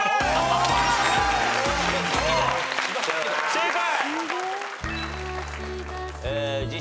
正解！